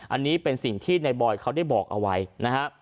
อันนี้เป็นสิ่งที่ในบอยเขาได้บอกเอาไว้นะฮะ